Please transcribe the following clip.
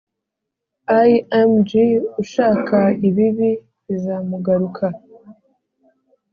Img ushaka ibibi bizamugaruka